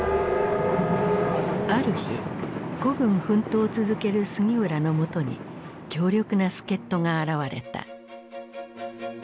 ある日孤軍奮闘を続ける杉浦の元に強力な助っ人が現れた。